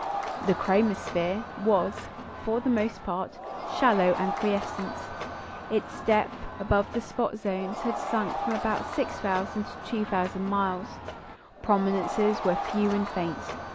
The "chromosphere" was, for the most part, shallow and quiescent; its depth, above the spot zones, had sunk from about 6,000 to 2,000 miles; prominences were few and faint.